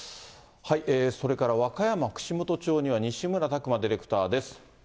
それから和歌山・串本町には、西村拓真ディレクターです。